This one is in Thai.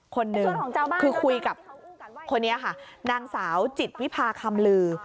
คนหนึ่งคือคุยกับคนนี้ค่ะนางสาวจิตวิพาคำลือ